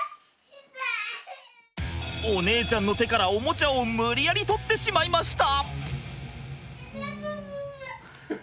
お姉ちゃんの手からおもちゃを無理やり取ってしまいました。